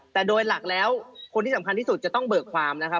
แต่โดยหลักแล้วคนที่สำคัญที่สุดจะต้องเบิกความนะครับ